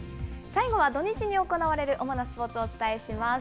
最後は土日に行われる主なスポーツをお伝えします。